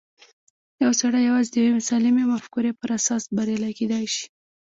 يو سړی يوازې د يوې سالمې مفکورې پر اساس بريالی کېدای شي.